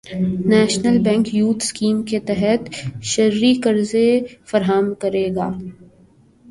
national bank youth scheme کے تحت شرعی قرضے فراہم کرے گا